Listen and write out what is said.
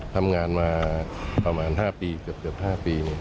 ทำงานมาประมาณ๕ปีเกือบ๕ปี